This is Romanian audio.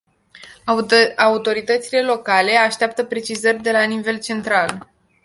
Autoritățile locale așteaptă precizări de la nivel central.